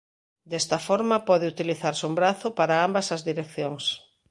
Desta forma pode utilizarse un brazo para ambas as direccións.